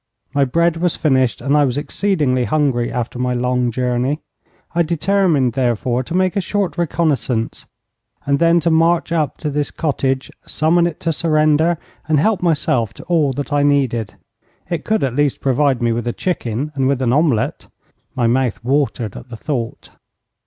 My bread was finished, and I was exceedingly hungry after my long journey; I determined, therefore, to make a short reconnaissance, and then to march up to this cottage, summon it to surrender, and help myself to all that I needed. It could at least provide me with a chicken and with an omelette. My mouth watered at the thought.